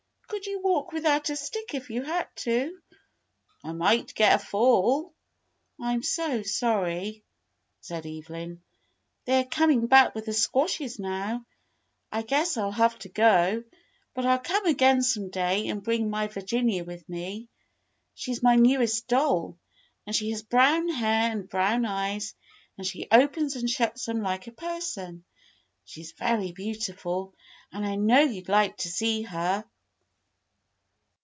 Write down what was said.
^ Could you walk without a stick if you had to.^" "I might get a fall." "I'm so sorry," said Evelyn. "They are coming back with the squashes now; I guess I'll have to go, but I'll come again some day and bring my Virginia with me. She's my newest doll, and she has brown hair and brown eyes and she opens and shuts them like a person. She 's very beautiful, and I know you 'd like to see her."